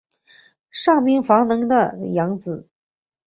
上杉房能的养子。